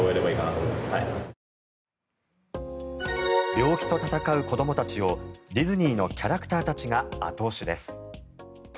病気と闘う子どもたちをディズニーのキャラクターたちが後押しです。